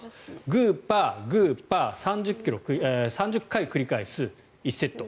グーパー、グーパー３０回繰り返す、１セット。